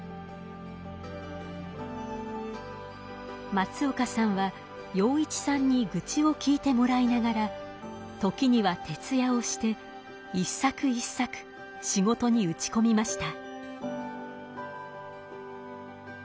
松岡さんは陽一さんに愚痴を聞いてもらいながら時には徹夜をして一作一作仕事に打ち込みました。